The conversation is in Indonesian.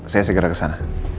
saya segera kesana